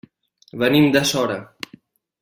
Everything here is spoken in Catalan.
Venim de Sora.